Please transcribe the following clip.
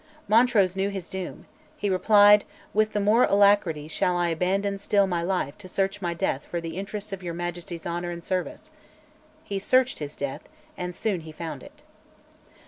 Montrose knew his doom: he replied, "With the more alacrity shall I abandon still my life to search my death for the interests of your Majesty's honour and service." He searched his death, and soon he found it.